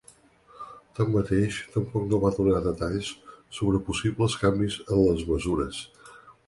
Tanmateix, tampoc no va donar detalls sobre possibles canvis en les mesures.